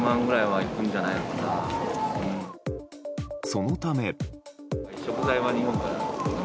そのため。